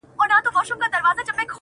• غوجله سمبول د وحشت ښکاري ډېر..